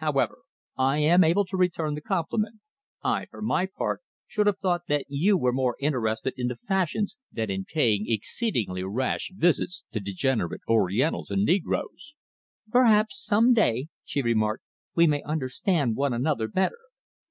However, I am able to return the compliment. I, for my part, should have thought that you were more interested in the fashions than in paying exceedingly rash visits to degenerate orientals and negroes." "Perhaps some day," she remarked, "we may understand one another better."